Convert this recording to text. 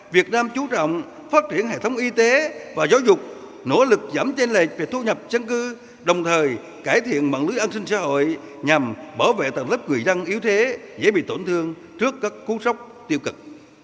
việt nam chú trọng phát triển hệ thống y tế và giáo dục nỗ lực giảm chênh lệch về thu nhập chân cư đồng thời cải thiện mạng lưới an sinh xã hội nhằm bảo vệ tầng lớp người dân yếu thế dễ bị tổn thương trước các cú sốc tiêu cực